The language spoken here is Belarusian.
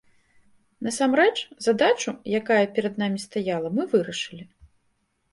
Насамрэч, задачу, якая перад намі стаяла, мы вырашылі.